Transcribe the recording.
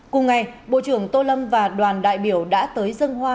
cùng ngày bộ trưởng tô lâm và đoàn đại biểu đã tới dân hoa